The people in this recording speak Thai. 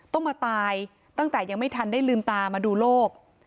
ต้องมาตายตั้งแต่ยังไม่ทันได้ลืมตามาดูโรค